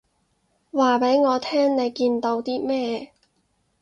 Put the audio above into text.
話畀我聽你見到啲咩